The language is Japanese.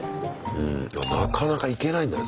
なかなか行けないんだね。